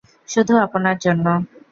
শুধু আপনার জন্য।